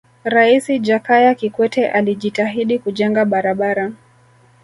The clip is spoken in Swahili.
raisi jakaya kikwete alijitahidi kujenga barabara